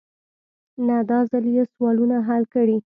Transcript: نه داځل يې سوالونه حل کړي.